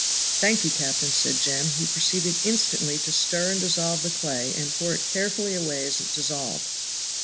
"Thank you, captain," said Jem, who proceeded instantly to stir and dissolve the clay and pour it carefully away as it dissolved.